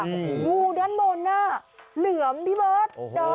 งูด้านบนเหลื่อมพี่เบิร์ต